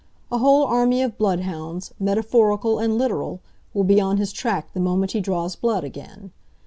A whole army of bloodhounds, metaphorical and literal, will be on his track the moment he draws blood again.